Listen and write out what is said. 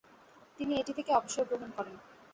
তিনি এটি থেকে অবসর গ্রহণ করেন।